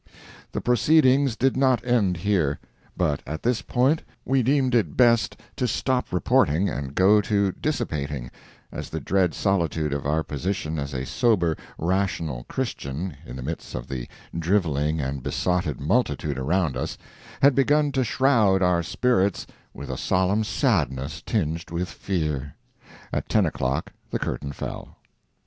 ] The proceedings did not end here, but at this point we deemed it best to stop reporting and go to dissipating, as the dread solitude of our position as a sober, rational Christian, in the midst of the driveling and besotted multitude around us, had begun to shroud our spirits with a solemn sadness tinged with fear. At ten o'clock the curtain fell.